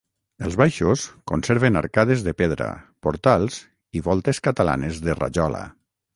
Els baixos conserven arcades de pedra, portals i voltes catalanes de rajola.